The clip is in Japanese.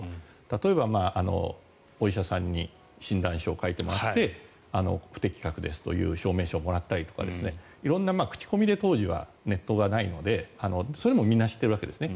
例えばお医者さんに診断書を書いてもらって不適格ですという証明書をもらったりとか色んな口コミで当時はネットもないのでそれもみんな知っているわけですね。